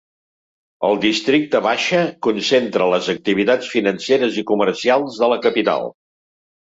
El districte Baixa concentra les activitats financeres i comercials de la capital.